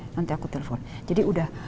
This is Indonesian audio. nanti aku telepon jadi udah